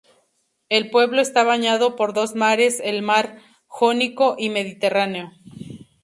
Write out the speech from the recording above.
El pueblo está bañado por dos mares: el Mar Jónico y Mediterráneo.